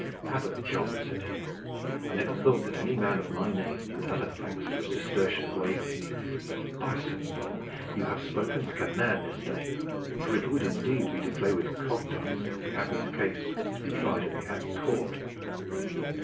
"Abbot John," said he, "I never thought that any man of my name would utter thanks to a Cistercian of Waverley; but by Saint Paul! you have spoken like a man this day, for it would indeed be to play with cogged dice if the Abbey's case is to be tried in the Abbey court."